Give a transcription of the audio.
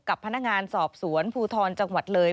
กับพนักงานสอบสวนภูทรจังหวัดเลย